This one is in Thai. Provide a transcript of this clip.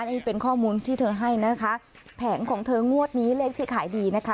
นี่เป็นข้อมูลที่เธอให้นะคะแผงของเธองวดนี้เลขที่ขายดีนะคะ